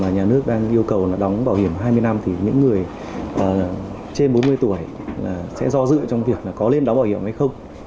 nhà nước đang yêu cầu đóng bảo hiểm hai mươi năm thì những người trên bốn mươi tuổi sẽ do dự trong việc có lên đóng bảo hiểm hay không